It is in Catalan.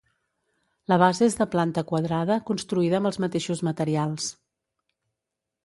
La base és de planta quadrada construïda amb els mateixos materials.